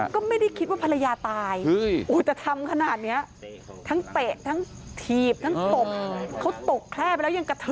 ลากกลับเข้าไปในบ้านค่ะ